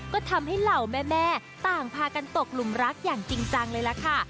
ก็ทำให้เหล่าแม่ต่างพากันตกหลุมรักอย่างจริงจังเลยล่ะค่ะ